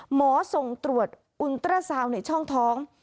หมอส่งตรวจอุนเตอร์ซาวน์ในช่องท้อง